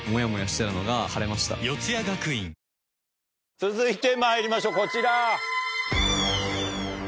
続いてまいりましょうこちら。